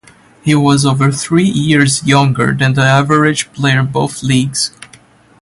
He was over three years younger than the average player in both leagues.